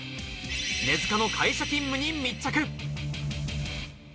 根塚の会社勤務に密着！